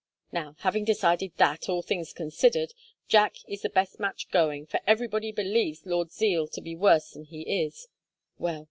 Now, having decided that, all things considered, Jack is the best match going for everybody believes Lord Zeal to be worse than he is well!